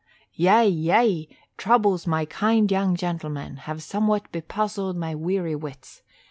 "Yea, yea! Troubles, my kind young gentleman, have somewhat bepuzzled my weary wits.